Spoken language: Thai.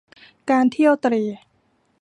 การเที่ยวเตร่